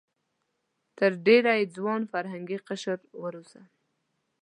تر ډېره یې ځوان فرهنګي قشر وروزه.